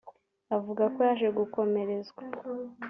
Avuga ko yaje gukomerezwa